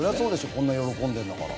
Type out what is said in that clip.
こんな喜んでるんだから。